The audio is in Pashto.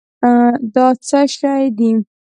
دا څه شی دی؟